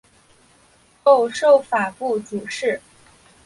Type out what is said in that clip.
后授法部主事。